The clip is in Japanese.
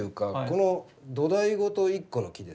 この土台ごと一個の木です。